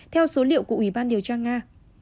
theo số liệu của ủy ban điều tra nga